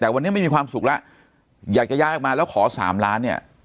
แต่วันนี้ไม่มีความสุขแล้วอยากจะย้ายออกมาแล้วขอสามล้านเนี่ย